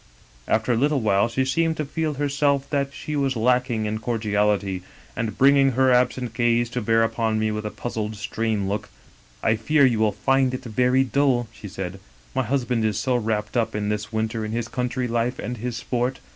" After a little while she seemed to feel herself that she was lacking in cordiality, and, bringing her absent gaze to bear upon me with a puzzled strained look: *I fear you will find it very dull,' she said, * my husband is so wrapped up this winter in his country life and his sport.